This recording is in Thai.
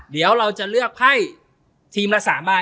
เดี๋ยวเราจะเลือกเตรียมละ๓บายเนาะ